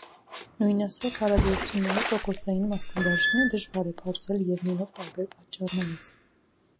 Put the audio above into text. Նույնասեռ հարաբերությունների տոկոսային մասնաբաժինը դժվար է պարզել՝ ելնելով տարբեր պատճառներից։